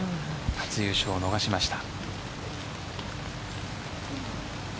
初優勝を逃しました。